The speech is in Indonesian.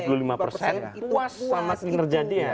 puas sama kinerja dia